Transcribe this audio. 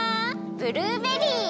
ブルーベリー！